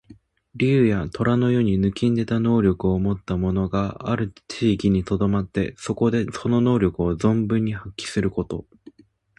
竜や、とらのように抜きんでた能力をもった者がある地域にとどまって、そこでその能力を存分に発揮すること。